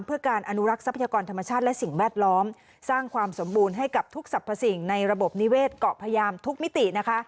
เพื่อการอนุรักษ์ทรัพยากรธรรมชาติและสิ่งแวดล้อมสร้างความสมบูรณ์ให้กับทุกสรรพสิ่งในระบบนิเวศเกาะพยามทุกมิตินะคะ